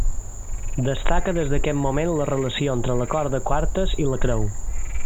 Destaca des d'aquest moment la relació entre l'acord de quartes i la creu.